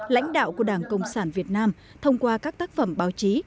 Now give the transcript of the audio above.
lãnh đạo của đảng cộng sản việt nam thông qua các tác phẩm báo chí